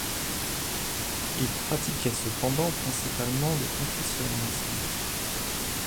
Il pratiquait cependant principalement le confucianisme.